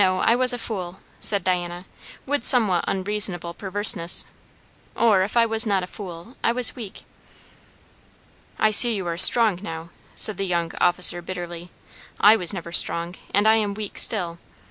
I was a fool," said Diana, with somewhat unreasonable perverseness. "Or, if I was not a fool, I was weak." "I see you are strong now," said the young officer bitterly. "I was never strong; and I am weak still.